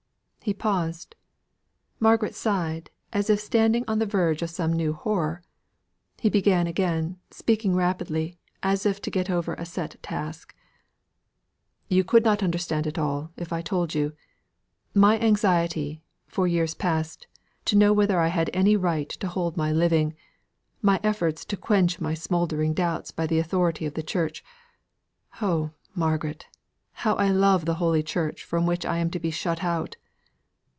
He paused. Margaret sighed, as if standing on the verge of some new horror. He began again, speaking rapidly, as if to get over a set task: "You could not understand it all, if I told you my anxiety, for years past, to know whether I had any right to hold my living my efforts to quench my smouldering doubts by the authority of the Church. Oh! Margaret, how I love the holy Church from which I am to be shut out!"